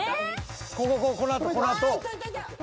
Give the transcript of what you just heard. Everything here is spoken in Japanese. ［こここここのあとこのあと］